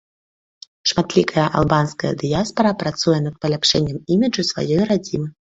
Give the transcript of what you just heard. Шматлікая албанская дыяспара працуе на паляпшэнне іміджу сваёй радзімы.